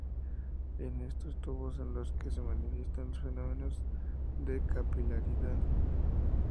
Es en estos tubos en los que se manifiestan los fenómenos de capilaridad.